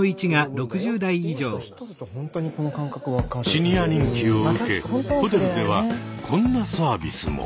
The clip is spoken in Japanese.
シニア人気を受けホテルではこんなサービスも。